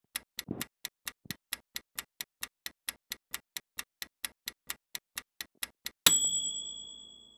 Earl Cameron subsequently played the lead on tour and in various regional productions.